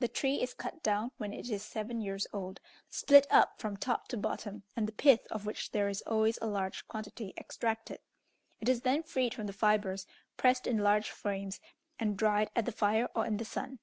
The tree is cut down when it is seven years old, split up from top to bottom, and the pith, of which there is always a large quantity, extracted; it is then freed from the fibres, pressed in large frames, and dried at the fire or in the sun.